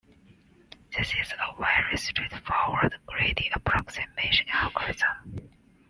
This is a very straightforward greedy approximation algorithm.